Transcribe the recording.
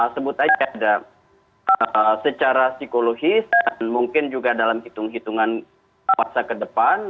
sebut aja ada secara psikologis dan mungkin juga dalam hitung hitungan masa kedepan